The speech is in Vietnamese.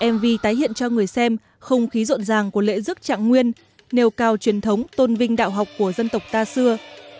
mv tái hiện cho người xem không khí rộn ràng của lễ dức trạng nguyên nêu cao truyền thống tôn vinh đạo học của dân tộc ta xưa